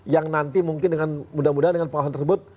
yang nanti mungkin dengan mudah mudahan dengan pengawasan tersebut